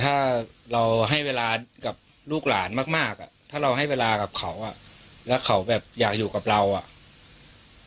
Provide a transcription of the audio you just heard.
ถ้าเราให้เวลากับลูกหลานมากมากอ่ะถ้าเราให้เวลากับเขาอ่ะแล้วเขาแบบอยากอยู่กับเราอ่ะ